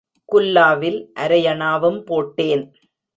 குல்லாவில் அரையனாவும் போட்டேன்.